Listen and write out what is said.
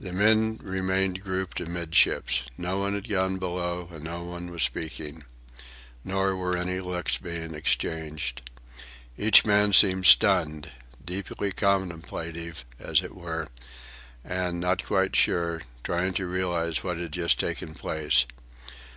The men remained grouped amidships. No one had gone below, and no one was speaking. Nor were any looks being exchanged. Each man seemed stunned—deeply contemplative, as it were, and, not quite sure, trying to realize just what had taken place.